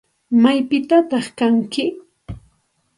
¿Maypitataq kanki?